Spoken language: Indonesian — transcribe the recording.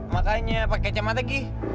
makanya pakai cemat lagi